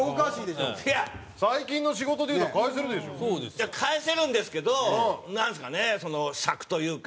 いや返せるんですけどなんですかねその癪というか。